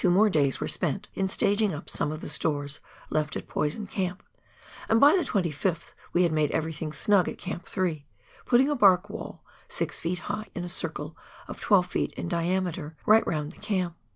more days were spent in staging up some of the stores left at Poison Camp, and by the 25th we had made everything snug at Camp 3, putting a bark wall six feet high in a circle of twelve feet in diameter, right round the camp.